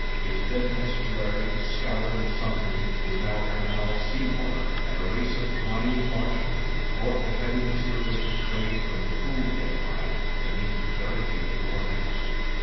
Its bed and estuary, scoured and sunken, was now a canal of sea water, and a race of grimy bargemen brought the heavy materials of trade from the Pool thereby beneath the very feet of the workers.